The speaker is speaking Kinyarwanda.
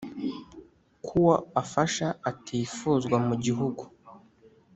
Ko uwo afasha atifuzwa mu gihugu